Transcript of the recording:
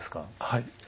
はい。